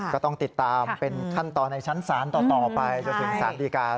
ก็ต้องติดตามเป็นขั้นตอนในชั้นศาลต่อไปจนถึงสารดีการ